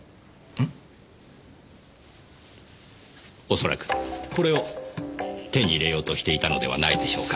恐らくこれを手に入れようとしていたのではないでしょうか。